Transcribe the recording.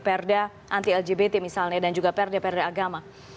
perda anti lgbt misalnya dan juga perda perda agama